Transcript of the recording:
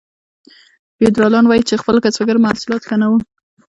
فیوډالانو ولیدل چې د خپلو کسبګرو محصولات ښه نه وو.